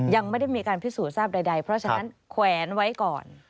ยังไม่ได้มีการพิสูจน์ทราบใดเพราะฉะนั้นแขวนไว้ก่อน